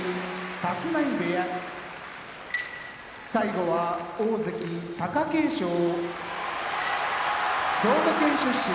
立浪部屋大関・貴景勝兵庫県出身